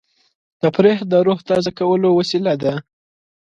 تفریح د روح د تازه کولو وسیله ده.